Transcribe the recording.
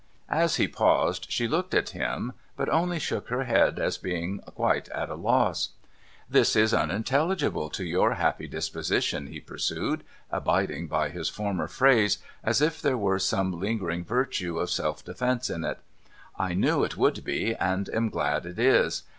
As he paused, she looked at him ; but only shook her head as being quite at a loss. ' This is unintelligible to your happy dispos ition,' he pursued, abiding by his former phrase as if there were some lingering virtue of self defence in it. ' I knew it would be, and am glad it is.